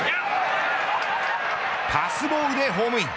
パスボールでホームイン。